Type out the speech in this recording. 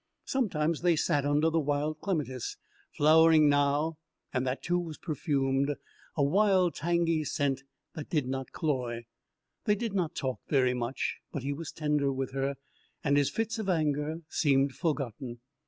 Sometimes they sat under the wild clematis, flowering now, and that, too, was perfumed, a wild and tangy scent that did not cloy. They did not talk very much, but he was tender with her, and his fits of anger seemed forgotten.